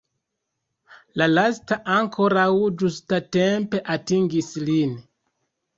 La lasta ankoraŭ ĝustatempe atingis lin.